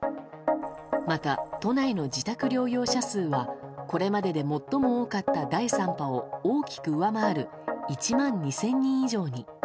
また、都内の自宅療養者数はこれまでで最も多かった第３波を大きく上回る１万２０００人以上に。